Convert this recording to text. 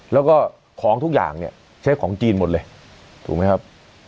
แล้วก็ของทุกอย่างเนี่ยใช้ของจีนหมดเลยถูกไหมครับ